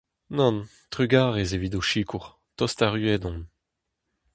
Nann, trugarez evit ho sikour, tost erruet on.